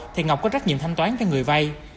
thì ngọc có trách nhiệm thanh toán cho người vay